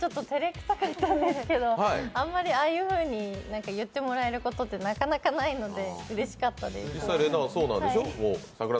照れくさかったんですけどあんまりああいうふうに言ってもらえることってなかなかないので、うれしかったです。